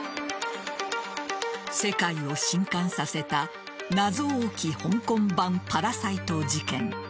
世界を震撼させた謎多き香港版パラサイト事件。